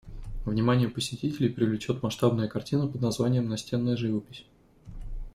Внимание посетителей привлечет масштабная картина под названием «Настенная живопись».